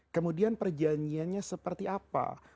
kemudian perjanjiannya seperti apa